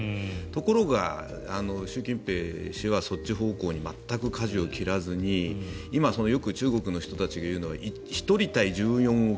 ところが、習近平氏はそっち方向に全くかじを切らずに今、よく中国の人たちが言うのは１人対１４億